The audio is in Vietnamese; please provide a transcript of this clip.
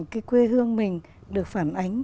cái quê hương mình được phản ánh